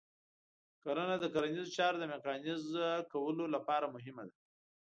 کرنه د کرنیزو چارو د میکانیزه کولو لپاره مهمه ده.